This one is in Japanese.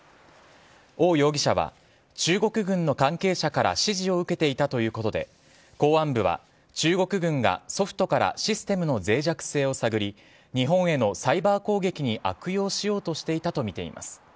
王容疑者は中国軍の関係者から指示を受けていたということで、公安部は中国軍がソフトからシステムのぜい弱性を探り、日本へのサイバー攻撃に悪用しようとしていたと見ています。